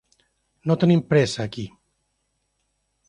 No tenim pressa, aquí.